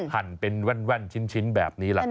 หั่นเป็นแว่นชิ้นแบบนี้แหละครับ